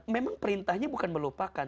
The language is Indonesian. memang perintahnya bukan melupakan